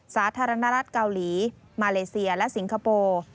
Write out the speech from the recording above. สาธารณรัฐเกาหลีมาเลเซียและสิงคโปร์